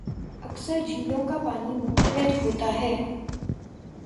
اکثر جھیلوں کا پانی منجمد ہوتا ہے